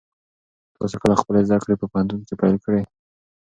تاسو کله خپلې زده کړې په پوهنتون کې پیل کړې؟